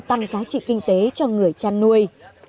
tăng giá trị kinh tế cho người chăn nuôi